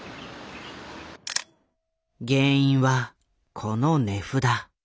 原因はこの値札。